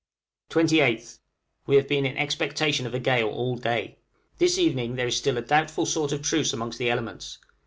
28th. We have been in expectation of a gale all day. This evening there is still a doubtful sort of truce amongst the elements.